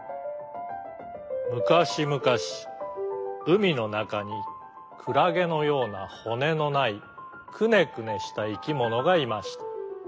むかしむかしうみのなかにクラゲのようなほねのないくねくねしたいきものがいました。